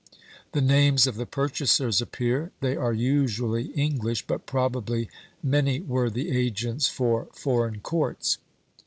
The names of the purchasers appear; they are usually English, but probably many were the agents for foreign courts.